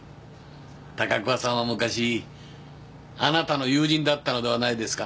高桑さんは昔あなたの友人だったのではないですか？